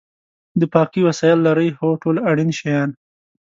د پاکۍ وسایل لرئ؟ هو، ټول اړین شیان